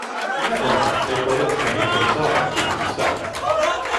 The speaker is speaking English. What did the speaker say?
In that round they played at Championship side Queen of the South.